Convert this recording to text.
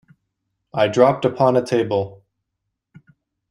I dropped upon a table.